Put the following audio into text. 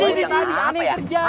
apa yang kerja